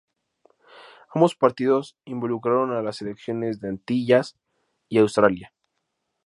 Ambos partidos involucraron a las selecciones de Antillas y Australia.